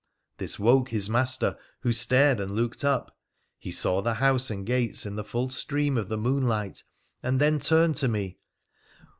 This woke his master, who stared and looked up. He saw the house and gates in the full stream of the moonlight, and then turned to me.